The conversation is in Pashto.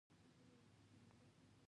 د پېژو نښه د یو زمري ته ورته سړي ده.